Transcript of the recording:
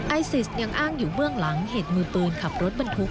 ไอซิสยังอ้างอยู่เบื้องหลังเหตุมือตูนขับรถบรรทุก